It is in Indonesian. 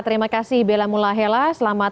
terima kasih bella mulahela selamat